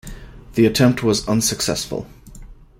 The attempt was unsuccessful.